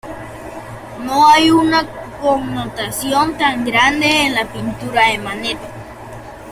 No hay una connotación tan grande en la pintura de Manet..